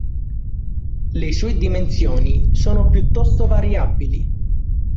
Le sue dimensioni sono piuttosto variabili.